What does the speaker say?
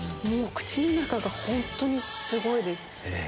口の中が本当にすごいです。